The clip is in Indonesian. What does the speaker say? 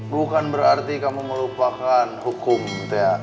bukan berarti kamu melupakan hukum gitu ya